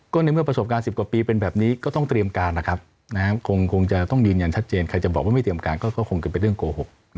ก็ในเมื่อประสบการณ์๑๐กว่าปีเป็นแบบนี้ก็ต้องเตรียมการนะครับคงจะต้องยืนยันชัดเจนใครจะบอกว่าไม่เตรียมการก็คงจะเป็นเรื่องโกหก